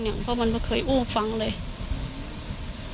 จน๘โมงเช้าวันนี้ตำรวจโทรมาแจ้งว่าพบเป็นศพเสียชีวิตแล้ว